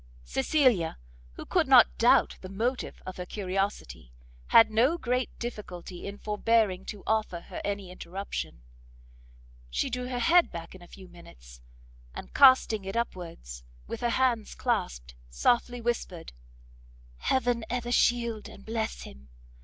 Cecilia, who could not doubt the motive of her curiosity, had no great difficulty in forbearing to offer her any interruption. She drew her head back in a few minutes, and casting it upwards, with her hands clasped, softly whispered, "Heaven ever shield and bless him!